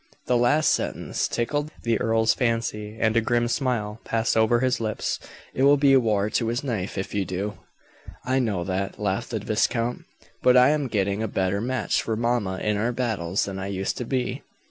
The last sentence tickled the earl's fancy, and a grim smile passed over his lips. "It will be war to the knife, if you do." "I know that," laughed the viscount. "But I am getting a better match for mamma in our battles than I used to be."